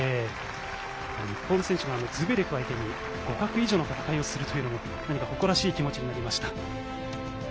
日本の選手がズベレフ相手に互角以上の戦いをするというのも何か誇らしい気持ちになりました。